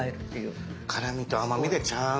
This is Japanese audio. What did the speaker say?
辛みと甘みでちゃんと。